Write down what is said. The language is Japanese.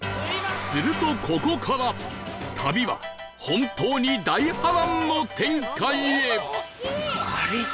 するとここから旅は本当に大波乱の展開へ！